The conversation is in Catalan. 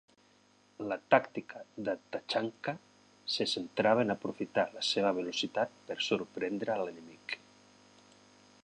La tàctica de Tachanka se centrava en aprofitar la seva velocitat per sorprendre l'enemic.